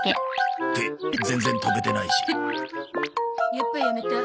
やっぱやめた。